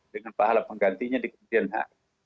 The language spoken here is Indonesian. dengan pahala penggantinya di kemudian hari